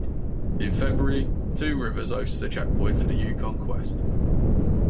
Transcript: In February, Two Rivers hosts a checkpoint for the Yukon Quest.